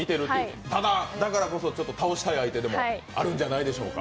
ただ、だからこそ倒したい相手でもあるんじゃないですか？